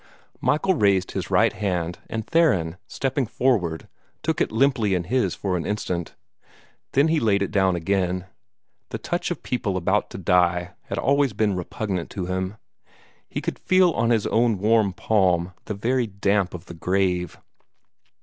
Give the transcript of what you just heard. Michael raised his right hand, and Theron, stepping forward, took it limply in his for an instant. Then he laid it down again. The touch of people about to die had always been repugnant to him. He could feel on his own warm palm the very damp of the grave.